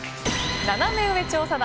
ナナメ上調査団。